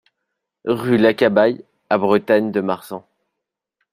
Rue Lacabaille à Bretagne-de-Marsan